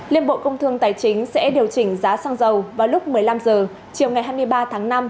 liên bộ công thương tài chính sẽ điều chỉnh giá xăng dầu vào lúc một mươi năm h chiều ngày hai mươi ba tháng năm